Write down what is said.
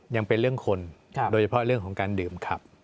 ยังเป็นเรื่องคนโดยเฉพาะเรื่องของการดื่มขับ